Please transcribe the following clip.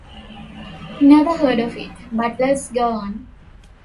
Never heard of it, but let's go on.